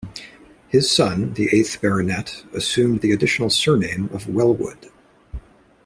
His son, the eighth Baronet, assumed the additional surname of Wellwood.